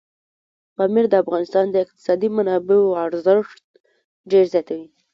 پامیر د افغانستان د اقتصادي منابعو ارزښت ډېر زیاتوي.